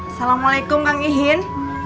assalamualaikum kang ihin